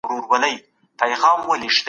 که اخلاقي کچه کښته وي نو کار هم خرابیږي.